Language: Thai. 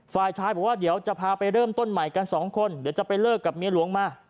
ฝ่ายชายบอกว่าเดี๋ยวจะพาไปเริ่มต้นใหม่กันสองคนเดี๋ยวจะไปเลิกกับเมียหลวงมา